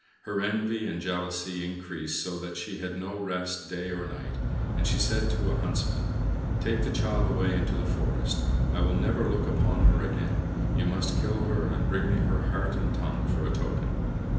Her envy and jealousy increased so that she had no rest day or night, and she said to a Huntsman, "Take the child away into the forest. I will never look upon her again. You must kill her, and bring me her heart and tongue for a token."